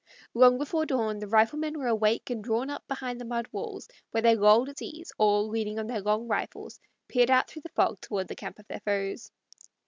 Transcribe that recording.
Long before dawn the riflemen were awake and drawn up behind the mud walls, where they lolled at ease, or, leaning on their long rifles, peered out through the fog toward the camp of their foes.